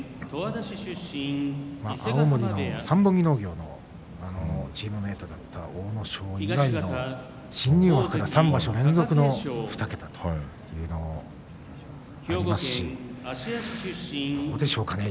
青森の三本木農業のチームメートだった阿武咲以来の新入幕が３場所連続の２桁というのもありますしどうでしょうかね